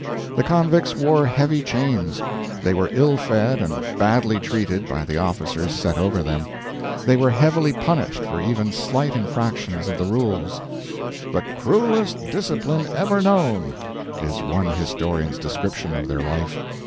The convicts wore heavy chains; they were ill fed and badly treated by the officers set over them; they were heavily punished for even slight infractions of the rules; "the cruelest discipline ever known" is one historian's description of their life.